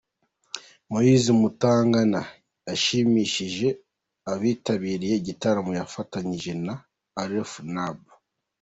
Moise Mutangana yashimishije abitabiriye igitaramo yafatanyije na Alif Naab.